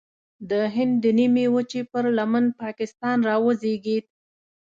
د هند د نیمې وچې پر لمن پاکستان راوزېږید.